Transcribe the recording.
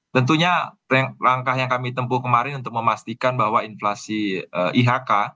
tentunya langkah yang kami tempuh kemarin untuk memastikan bahwa inflasi ini akan terus menjadikan kita berusaha untuk menjaga keuntungan